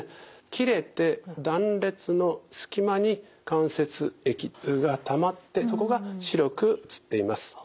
切れて断裂の隙間に関節液がたまってそこが白く写っています。